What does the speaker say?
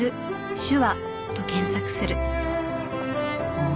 ああ。